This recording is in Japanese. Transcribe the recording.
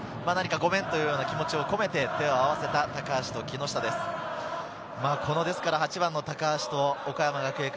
ごめんという気持ちを込めて手を合わせた木下と高橋です。